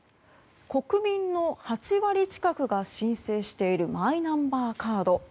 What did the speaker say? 国民の８割近くが申請しているマイナンバーカード。